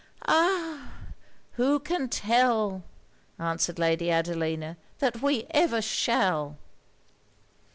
'Ah! who can tell,' answered Lady Adelina, 'that we ever shall!'